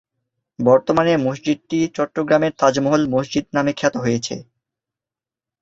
বর্তমানে মসজিদটি চট্টগ্রামের তাজমহল মসজিদ নামে খ্যাত হয়েছে।